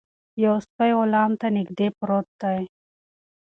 یو سپی غلام ته نږدې پروت دی.